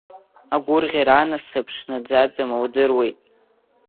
Агәырӷьара, анасыԥ, шнаӡаӡам лдыруеит.